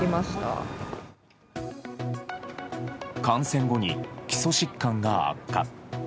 感染後に基礎疾患が悪化。